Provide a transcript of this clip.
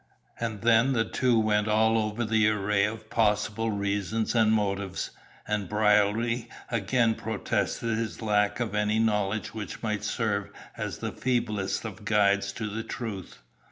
And then the two went all over the array of possible reasons and motives, and Brierly again protested his lack of any knowledge which might serve as the feeblest of guides to the truth.